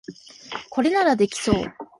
これならできそう